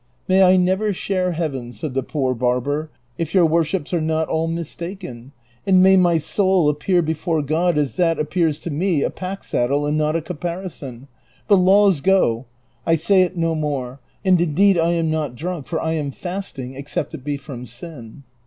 " May I never share heaven," said the poor barber, " if your worships are not all mistaken ; and may my soul appear before God as that* appears to me a pack saddle and not a caparison j but ' laws go,' '— I say no more ; and indeed I am not drunk, for I am fasting, except it be from sin."